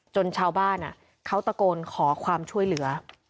ชาวบ้านเขาตะโกนขอความช่วยเหลือ